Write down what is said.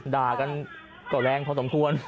ด่ากันก็แรงพอสมควร